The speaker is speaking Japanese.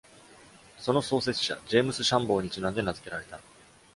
その創設者ジェームス・シャンボーにちなんで名づけられた。